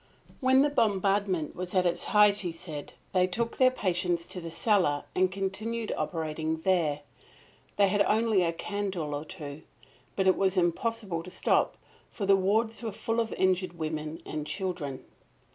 When the bombardment was at its height, he said, they took their patients to the cellar and continued operating there. They had only a candle or two. But it was impossible to stop, for the wards were full of injured women and children.